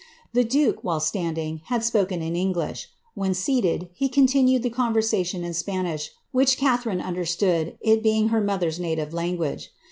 The duke, while standing, had spoken in English ; when seated, he continued the conversation in Spanish, which Catharine ^nde^ stood, it being her mother's native language.